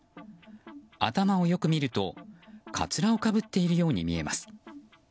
頭をよく見るとかつらをかぶっているように見えます。